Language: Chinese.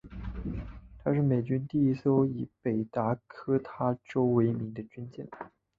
她是美军第一艘以北达科他州为名的军舰。